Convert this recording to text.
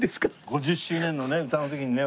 ５０周年のね歌の時にね